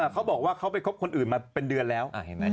เขาบอกว่าเขาไปคบคนอื่นมาเป็นเดือนแล้ว